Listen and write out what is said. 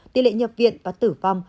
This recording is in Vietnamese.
tỷ lệ nhập viện và tử vong